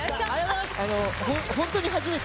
本当に初めて？